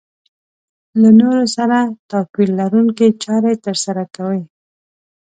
له نورو سره توپير لرونکې چارې ترسره کوي.